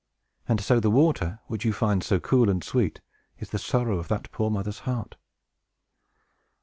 And so the water, which you find so cool and sweet, is the sorrow of that poor mother's heart!"